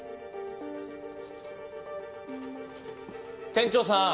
店長さん。